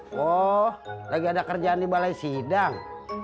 wah lagi ada kerjaan di balai sidang